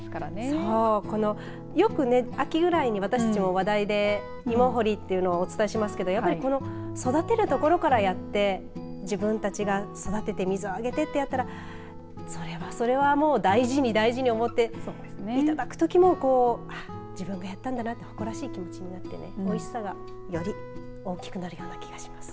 そう、このよくね。秋ぐらいに私たちも話題で芋掘りというのをお伝えしますがやっぱりこの育てるところからやって自分たちが育てて水をあげてとやったらそれはそれは大事に思っていただくときも自分がやったんだなと誇らしい気持ちになっておいしさが、より大きくなるような気がします。